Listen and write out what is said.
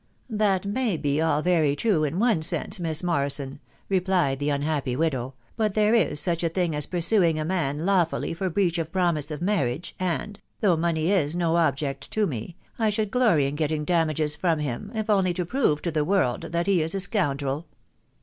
" That may be all very true in one sense, Miss Morrison/* 390 TM WIDOW BASIC replied the unhappy widow ;" but there is such a thag ■ pursuing a man lawfully for breach of promise of insrnss, and .... though money is no object to me *... I shod glory in getting damages from him, if only to prove to Ike world that he is a scoundrel!"